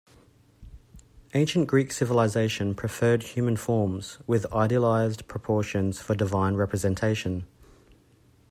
Ancient Greek civilization preferred human forms, with idealized proportions, for divine representation.